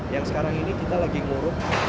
yang sekarang ini kita lagi ngurup